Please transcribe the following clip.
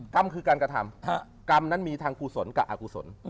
กรรมคือการกระทำกรรมนั้นมีทางกุศลกับอากุศล